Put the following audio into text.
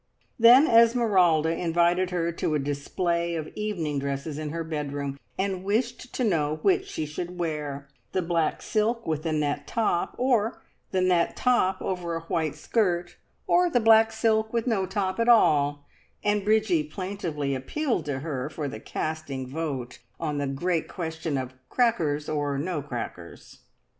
Then Esmeralda invited her to a display of evening dresses in her bedroom, and wished to know which she should wear the black silk with the net top, or the net top over a white skirt, or the black silk with no top at all, and Bridgie plaintively appealed to her for the casting vote on the great question of crackers or no crackers!